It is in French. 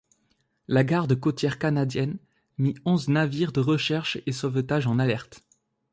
La Garde côtière canadienne mit onze navires de recherche et sauvetage en alerte.